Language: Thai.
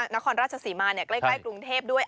นครราชศรีมาใกล้กรุงเทพด้วย